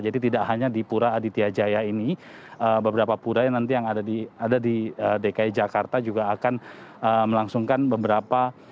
jadi tidak hanya di pura aditya jaya ini beberapa pura yang nanti ada di dki jakarta juga akan melangsungkan beberapa